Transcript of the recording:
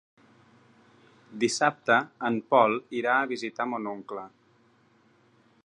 Dissabte en Pol irà a visitar mon oncle.